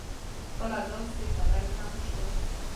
خپله داسې تری تم شول.